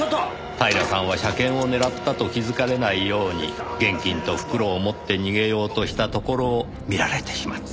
平さんは車券を狙ったと気づかれないように現金と袋を持って逃げようとしたところを見られてしまった。